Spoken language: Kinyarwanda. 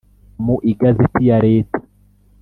Mu igazeti ya leta